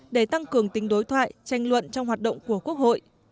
để tăng cường tính đối thoại tranh luận trong hoạt động của quốc hội